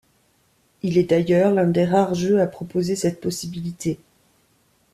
Il est d'ailleurs l'un des rares jeux à proposer cette possibilité.